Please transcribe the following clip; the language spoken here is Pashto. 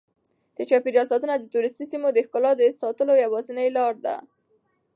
د چاپیریال ساتنه د توریستي سیمو د ښکلا د ساتلو یوازینۍ لاره ده.